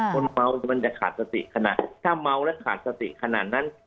คนเมามันจะขาดสติขนาดถ้าเมาแล้วขาดสติขนาดนั้น